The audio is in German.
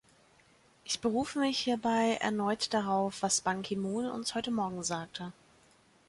Ich berufe mich hierbei erneut darauf, was Ban Ki-moon uns heute Morgen sagte.